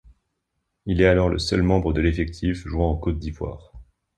Il est alors le seul membre de l'effectif jouant en Côte d'Ivoire.